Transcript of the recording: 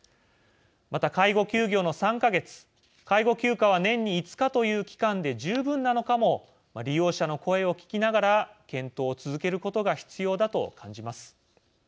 また、介護休業の３か月介護休暇は年に５日という期間で十分なのかも利用者の声を聞きながら検討を続けることが必要だと感じます。